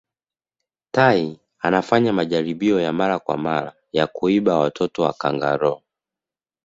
tai anafanya majaribio ya mara kwa amra ya kuiba watoto wa kangaroo